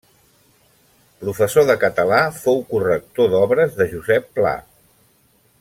Professor de català, fou corrector d'obres de Josep Pla.